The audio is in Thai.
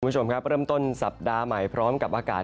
คุณผู้ชมครับเริ่มต้นสัปดาห์ใหม่พร้อมกับอากาศ